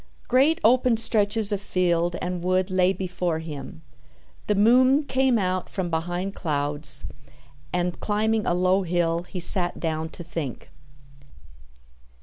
Great open stretches of field and wood lay before him. The moon came out from behind clouds, and, climbing a low hill, he sat down to think.